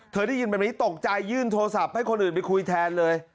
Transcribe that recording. ได้ยินแบบนี้ตกใจยื่นโทรศัพท์ให้คนอื่นไปคุยแทนเลย